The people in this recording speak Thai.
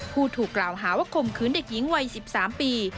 ผู้ถูกกล่าวหาว่าคมคืนเด็กหญิงวัย๑๓ปี